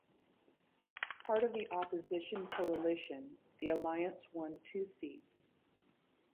Part of the opposition coalition, the Alliance won two seats.